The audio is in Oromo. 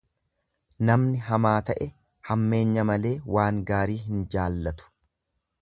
Namni hamaa ta'e hammeenya malee waan gaarii hin jaallatu.